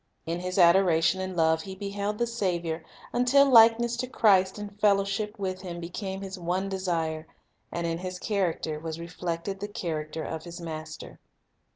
In adoration and love he beheld the Saviour, until likeness to Christ and fellowship with Him became his one desire, and in his character was reflected the char acter of his Master.